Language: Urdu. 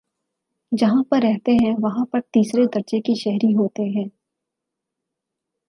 جہاں پر رہتے ہیں وہاں پر تیسرے درجے کے شہری ہوتے ہیں